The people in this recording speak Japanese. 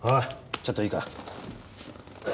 ちょっといいか？